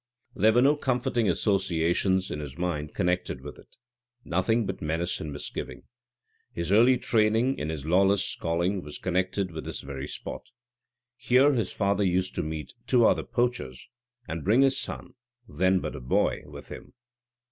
There were no comforting associations in his mind connected with it; nothing but menace and misgiving. His early training in his lawless calling was connected with this very spot. Here his father used to meet two other poachers, and bring his son, then but a boy, with him.